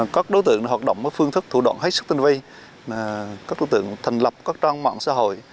các đối tượng hoạt động với phương thức thủ đoạn hết sức tinh vi các đối tượng thành lập các trang mạng xã hội